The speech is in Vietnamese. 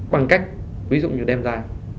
bằng cách ví dụ như đem ra